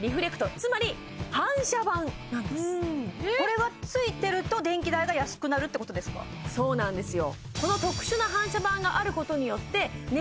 つまり反射板なんですこれがついてると電気代が安くなるってことですかそうなんですよ